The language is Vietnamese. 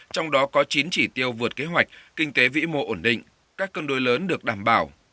trong đó có chín chỉ tiêu vượt kế hoạch kinh tế vĩ mô ổn định các cân đối lớn được đảm bảo